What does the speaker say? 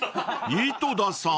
［井戸田さん